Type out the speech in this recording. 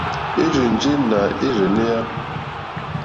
Érzènjé nà ɛ́rzɛ̀nɛ́á.